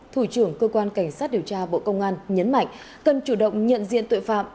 thủ trưởng cơ quan cảnh sát điều tra bộ công an nhấn mạnh cần chủ động nhận diện tội phạm